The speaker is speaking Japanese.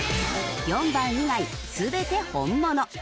４番以外全て本物。